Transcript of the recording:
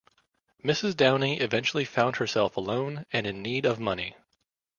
Mrs Downing eventually found herself alone and in need of money.